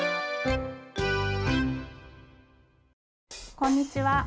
こんにちは。